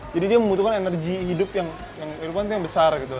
jadi dia membutuhkan energi hidup yang lebih penting yang besar gitu